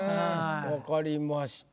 分かりました。